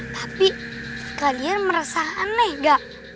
tapi sekalian merasa aneh nggak